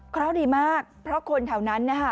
เค้าเล่าดีมากเพราะคนแถวนั้น